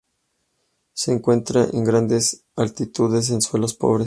Se encuentra en grandes altitudes en suelos pobres.